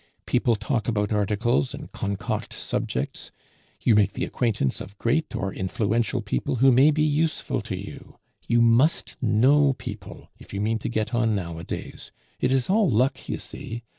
People talk about articles and concoct subjects; you make the acquaintance of great or influential people who may be useful to you. You must know people if you mean to get on nowadays. It is all luck, you see.